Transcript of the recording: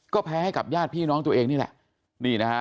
ก็แพ้ให้กับญาติพี่น้องตัวเองนี่แหละนี่นะฮะ